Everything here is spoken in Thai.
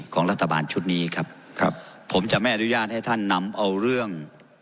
ของรัฐบาลชุดนี้ครับครับผมจะไม่อนุญาตให้ท่านนำเอาเรื่อง